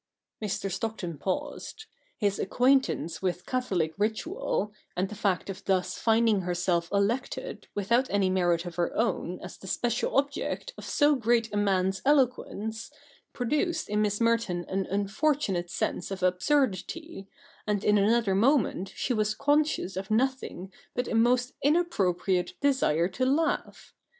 Mr. Stockton paused. His acquaintance with Catholic ritual, and the fact of thus finding herself elected, with out any merit of her own, as the special object of so great a man's eloquence, produced in Miss Merton an unfortunate sense of absurdity, and in another moment she was conscious of nothing but a most inappropriate desire to laugh.